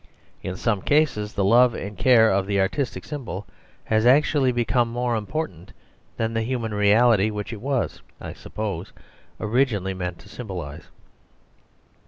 In some cases the love and care of the artistic symbol has actually become more important than the human reality which it was, I suppose, originally meant to symbolize.